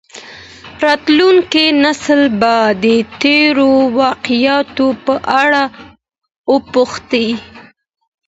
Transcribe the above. راتلونکی نسل به د تېرو واقعیتونو په اړه وپوښتي.